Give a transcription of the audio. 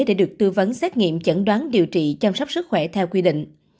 để được tư vấn xét nghiệm chẩn đoán điều trị chăm sóc sức khỏe theo quy định